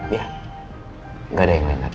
ya gak ada yang lain lagi